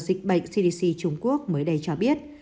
dịch bệnh cdc trung quốc mới đây cho biết